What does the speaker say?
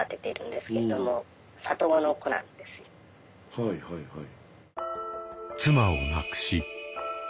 はいはいはい。